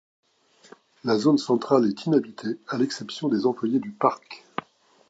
La zone centrale est inhabitée, à l'exception des employés du parc.